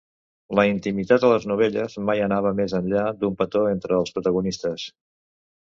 La intimitat a les novel·les mai anava més enllà d'un petó entre els protagonistes.